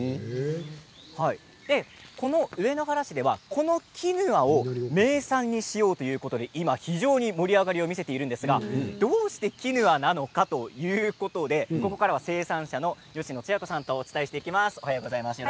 この上野原市ではこのキヌアを名産にしようということで今、非常に盛り上がりを見せているんですがどうしてキヌアなのかということでここからは生産者の吉野艶子さんとお伝えしていきます。